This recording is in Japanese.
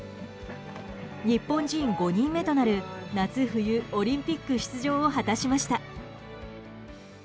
日本人５人目となる夏冬オリンピック出場を果たしました。